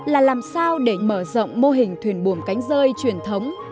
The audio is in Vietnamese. là làm sao để mở rộng mô hình thuyền buồm cánh rơi truyền thống